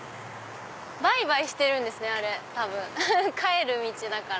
バイバイしてるんですね多分帰る道だから。